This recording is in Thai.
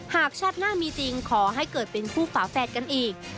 หากชาติหน้ามีจริงขอให้เกิดเป็นคู่ฝาแฝดกันอีก